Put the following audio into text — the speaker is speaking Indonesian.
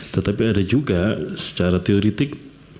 tetapi ada juga secara teoretik